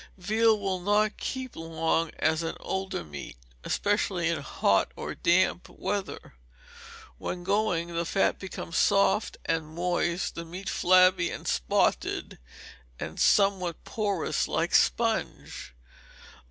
Veal will not keep so long as an older meat, especially in hot or damp weather: when going, the fat becomes soft and moist, the meat flabby and spotted, and somewhat porous like sponge.